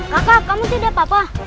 kakak kamu tidak apa apa